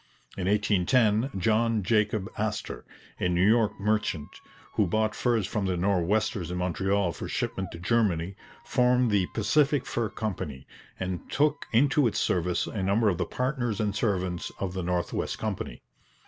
In 1810 John Jacob Astor, a New York merchant, who bought furs from the Nor'westers in Montreal for shipment to Germany, formed the Pacific Fur Company, and took into its service a number of the partners and servants of the North West Company.